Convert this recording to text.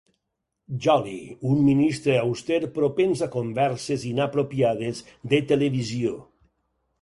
Jolly, un ministre auster propens a converses inapropiades de televisió.